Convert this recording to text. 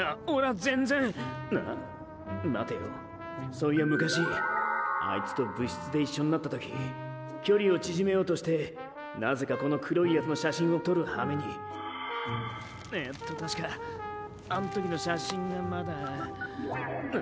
そういや昔あいつと部室で一緒になった時距離を縮めようとしてなぜかこの黒いヤツの写真を撮るはめにえっと確かあん時の写真がまだあ。